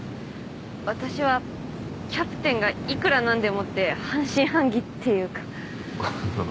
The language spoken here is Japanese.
私はキャプテンがいくらなんでもって半信半疑っていうかはははっ